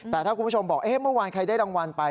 แต่ถ้าคุณผู้ชมบอกเมื่อวานใครได้รางวัลไป